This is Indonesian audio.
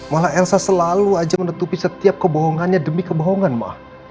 malah elsa selalu aja menutupi setiap kebohongannya demi kebohongan maaf